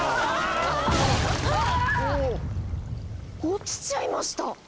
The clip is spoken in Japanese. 落ちちゃいました！